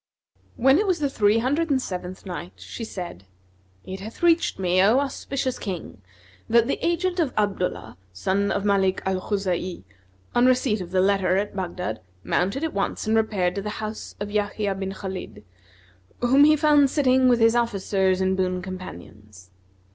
When it was the Three Hundred and Seventh Night, She said, It hath reached me, O auspicious King, that the agent of Abdullah, son of Malik al Khuza'i, on receipt of the letter at Baghdad, mounted at once and repaired to the house of Yahya bin Khбlid, whom he found sitting with his officers and boon companions.